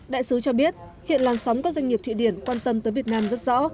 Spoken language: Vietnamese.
đại sứ cho biết hiện làn sóng các doanh nghiệp thụy điển quan tâm tới việt nam rất rõ